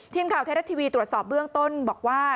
ทีมข่าวไทยรัฐทีวีตรวจสอบเบื้องต้นบอกว่า